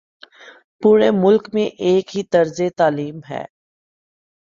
پورے ملک میں ایک ہی طرز تعلیم ہے۔